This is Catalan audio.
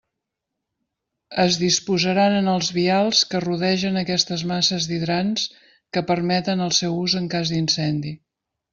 Es disposaran en els vials que rodegen aquestes masses d'hidrants que permeten el seu ús en cas d'incendi.